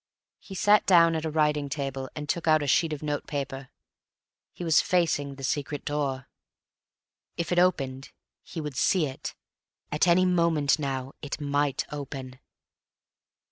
He sat down at a writing table, and took out a sheet of notepaper. He was facing the secret door; if it opened he would see it. At any moment now it might open.